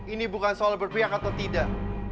ini bukan soal berpihak atau tidak